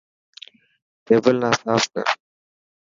ٽيبل نا ساف ڪر.